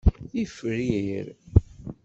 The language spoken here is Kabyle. Ifrir.